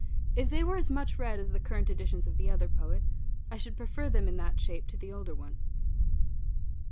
If they were as much read as the current editions of the other poet, I should prefer them in that shape to the older one.